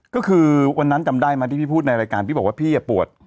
ก็คือวันนั้นจำได้ไหมที่พี่พูดในรายการพี่บอกว่าพี่ปวด